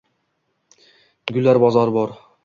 gullar bozori bor